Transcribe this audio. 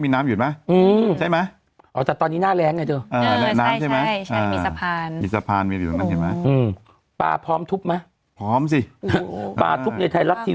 มีอยู่ข้างเค้ามีน้ำใช่ไหม